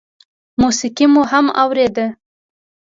موسيقي مو هم اورېده.